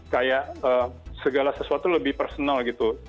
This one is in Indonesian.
kayak segala sesuatu lebih personal gitu